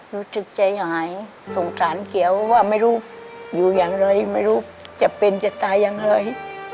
รู้สึกใจหายสงสารเก๋วว่าไม่รู้อยู่อย่างไรไม่รู้จะเป็นจะตายอย่างไร